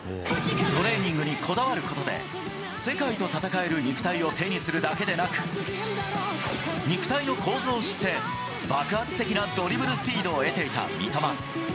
トレーニングにこだわることで、世界と戦える肉体を手にするだけでなく、肉体の構造を知って、爆発的なドリブルスピードを得ていた三笘。